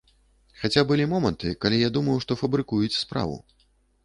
Хаця былі моманты, калі я думаў, што фабрыкуюць справу.